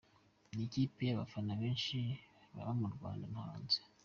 Ni ikipe y’abafana benshi haba mu Rwanda no hanze.